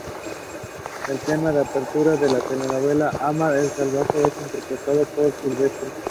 El tema de apertura de la telenovela "Amar... al salvaje" es interpretado por Silvestre.